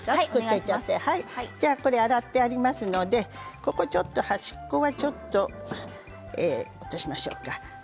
洗ってありますので端っこはちょっと落としましょうか。